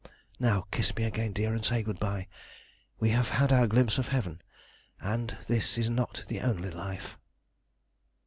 Now kiss me again, dear, and say good bye. We have had our glimpse of heaven, and this is not the only life."